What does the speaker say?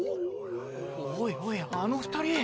おいおいあの２人。